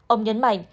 ông nhấn mạnh